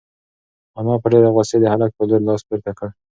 انا په ډېرې غوسې د هلک په لور لاس پورته کړ.